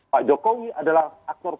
pak jokowi adalah aktor